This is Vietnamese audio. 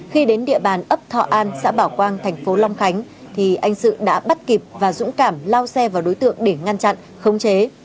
khi đến địa bàn ấp thọ an xã bảo quang thành phố long khánh thì anh sự đã bắt kịp và dũng cảm lao xe vào đối tượng để ngăn chặn khống chế